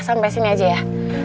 sampai sini aja ya